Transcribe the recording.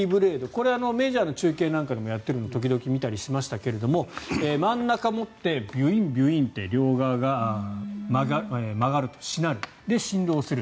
これはメジャーの中継なんかでもやっているのを時々見たりしましたが真ん中を持ってビュインビュインって両側が曲がる、しなる振動する。